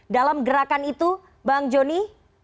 dalam gerakan itu bang joni